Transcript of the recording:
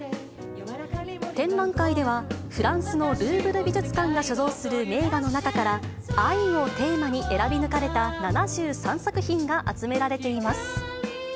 展覧会では、フランスのルーヴル美術館が所蔵する名画の中から、愛をテーマに、選び抜かれた７３作品が集められています。